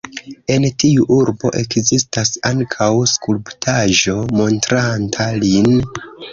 En tiu urbo ekzistas ankaŭ skulptaĵo montranta lin.